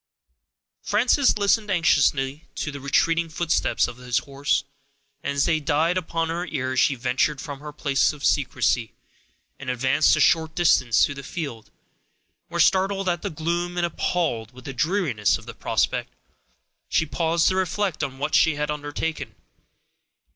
Frances listened anxiously to the retreating footsteps of his horse, and, as they died upon her ear, she ventured from her place of secrecy, and advanced a short distance into the field, where, startled at the gloom, and appalled with the dreariness of the prospect, she paused to reflect on what she had undertaken.